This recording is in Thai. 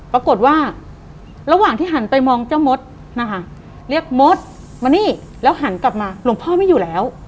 ปรากฏว่าระหว่างที่หันไปมองเจ้ามดนะคะเรียกมดมานี่แล้วหันกลับมาหลวงพ่อไม่อยู่แล้ว